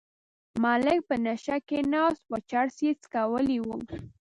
ملک په نشه کې ناست و چرس یې څکلي وو.